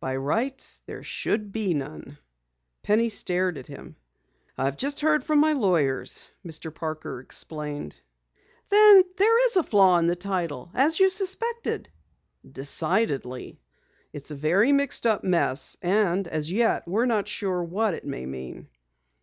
"By rights there should be none." Penny stared at him. "I've just heard from my lawyers," Mr. Parker explained. "Then, there is a flaw in the title as you suspected!" "Decidedly. It's a very mixed up mess, and as yet we're not sure what it may mean."